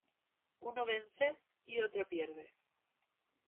Uno vence y otro pierde.